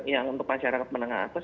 yang untuk masyarakat menengah atas